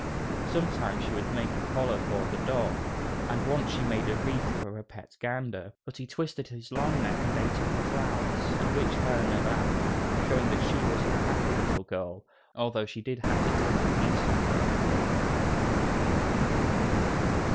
Sometimes she would make a collar for her dog, and once she made a wreath for a pet gander, but he twisted his long neck and ate up the flowers, at which Helena laughed, showing that she was a happy little girl, although she did have to tend the geese all day.